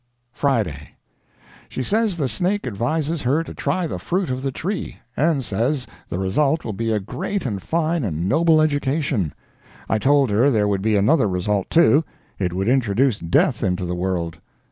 FRIDAY. She says the snake advises her to try the fruit of the tree, and says the result will be a great and fine and noble education. I told her there would be another result, too it would introduce death into the world.